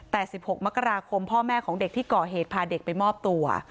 แต่๑๖มกราคมพ่อแม่ของเด็กที่ก่อเหตุพาเด็กไปมอบตัว